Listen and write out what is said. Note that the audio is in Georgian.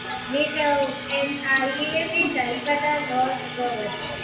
მიხეილ ტეტიაევი დაიბადა ნოვგოროდში.